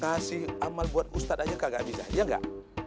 kasih amal buat ustadz aja kagak bisa iya gak